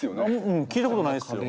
うん聞いたことないですよ。